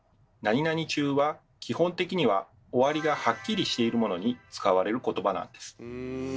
「中」は基本的には「終わり」がハッキリしているものに使われる言葉なんです。